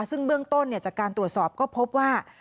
ซึ่งเบื้องต้นจากการตรวจสอบก็พบว่า